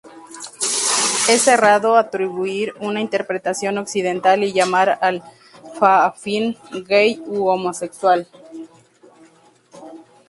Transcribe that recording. Es errado atribuir una interpretación occidental y llamar al fa’afafine ‘gay’ u homosexual.